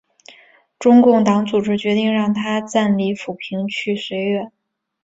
中共党组织决定让他暂离阜平去绥远。